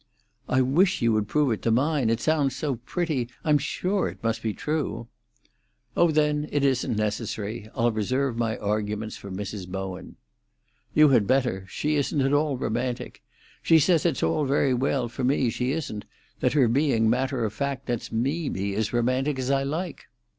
"I wish you would prove it to mine. It sounds so pretty, I'm sure it must be true." "Oh, then, it isn't necessary. I'll reserve my arguments for Mrs. Bowen." "You had better. She isn't at all romantic. She says it's very well for me she isn't—that her being matter of fact lets me be as romantic as I like."